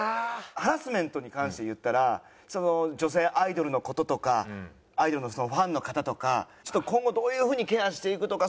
ハラスメントに関して言ったら女性アイドルの事とかアイドルの人のファンの方とかちょっと今後どういう風にケアしていくとか